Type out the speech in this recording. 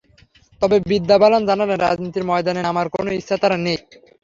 তবে বিদ্যা বালান জানালেন, রাজনীতির ময়দানে নামার কোনো ইচ্ছা তাঁর নেই।